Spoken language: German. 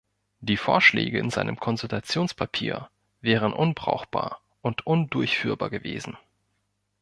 Die Vorschläge in seinem Konsultationspapier wären unbrauchbar und undurchführbar gewesen.